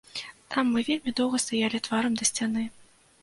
Там мы вельмі доўга стаялі тварам да сцяны.